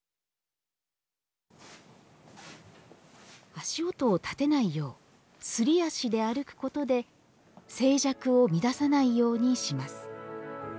足音を立てないよう「すり足で歩くこと」で静寂を乱さないようにします。